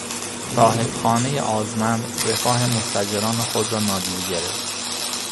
صاحبخانه آزمند رفاه مستاجران خود را نادیده گرفت.